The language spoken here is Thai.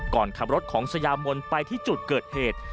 ก่อนขับรถของสยามนไปที่จุดเกิดเหตุ